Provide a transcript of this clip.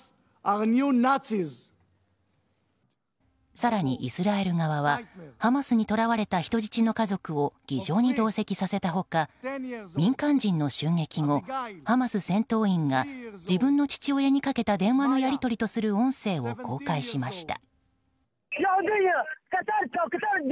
更に、イスラエル側はハマスに捕らわれた人質の家族を議場に同席させた他民間人の襲撃後ハマス戦闘員が自分の父親にかけた電話のやり取りとする音声を公開しました。